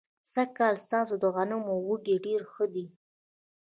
سږ کال ستاسو د غنمو وږي ډېر ښه دي.